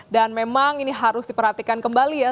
dan memang ini harus diperhatikan kembali ya